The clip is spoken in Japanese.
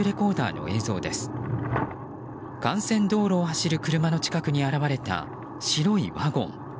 幹線道路を走る車の近くに現れた白いワゴン。